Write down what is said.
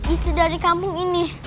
isi dari kampung ini